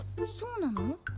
そうなの？